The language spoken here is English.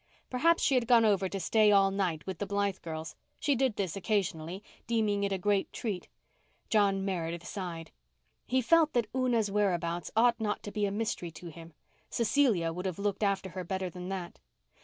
Perhaps she had gone over to "stay all night" with the Blythe girls. She did this occasionally, deeming it a great treat. John Meredith sighed. He felt that Una's whereabouts ought not to be a mystery to him. Cecelia would have looked after her better than that.